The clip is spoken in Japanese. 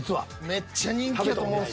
めっちゃ人気やと。